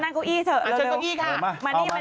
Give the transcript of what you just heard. นั่งผดเวียบราคาไม่นั่งไว้